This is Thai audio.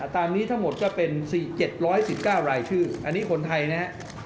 ตามนี้ทั้งหมดก็เป็น๔๗๑๙รายชื่ออันนี้คนไทยนะครับ